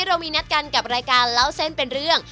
เรามีนัดกันกับรายการเล่าเส้นเป็นเรื่อง